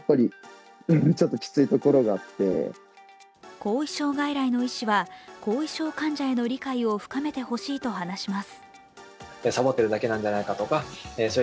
後遺症外来の医師は、後遺症患者への理解を深めてほしいと話します。